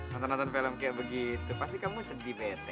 nonton nonton film kayak begitu pasti kamu sedih bete